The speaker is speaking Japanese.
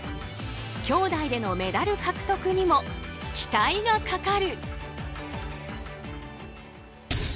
きょうだいでのメダル獲得にも期待がかかる。